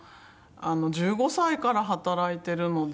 １５歳から働いてるので。